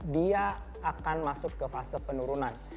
dia akan masuk ke fase penurunan